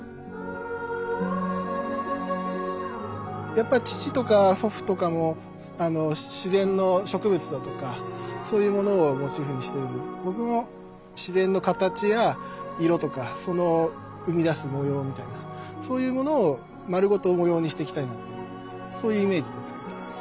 やっぱり父とか祖父とかも自然の植物だとかそういうものをモチーフにしているので僕も自然の形や色とかその生み出す模様みたいなそういうものを丸ごと模様にしていきたいなっていうそういうイメージで作ってます。